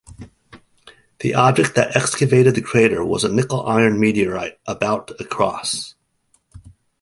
The object that excavated the crater was a nickel-iron meteorite about across.